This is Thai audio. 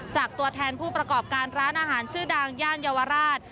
ตัวแทนผู้ประกอบการร้านอาหารชื่อดังย่านเยาวราช